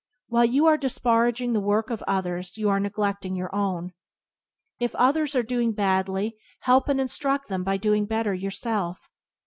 While you are disparaging the work of others you are neglecting your own. If others are doing badly help and instruct them by doing better yourself.